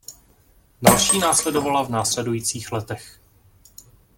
Další následovala v následujících letech.